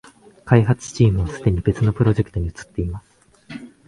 開発チームはすでに別のプロジェクトに移ってます